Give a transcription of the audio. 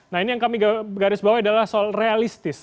nah ini yang kami garis bawah adalah soal realistis